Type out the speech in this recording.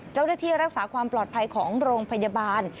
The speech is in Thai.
เจ้าหน้าที่รักษาความปลอดภัยของโรงพยาบาล